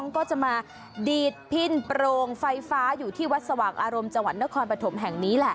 ก็จะมาดีดพินโปรงไฟฟ้าอยู่ที่วัดสว่างอารมณ์จังหวัดนครปฐมแห่งนี้แหละ